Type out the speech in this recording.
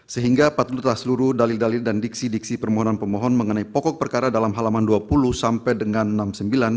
sehingga patutlah seluruh dalil dalil dan diksi diksi permohonan pemohon mengenai pokok perkara dalam halaman dua puluh sampai dengan enam puluh sembilan